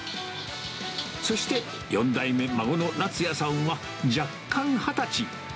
そして４代目、孫の夏也さんは、若干２０歳。